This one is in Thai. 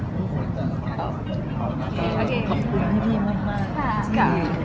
ขอบคุณพี่มาก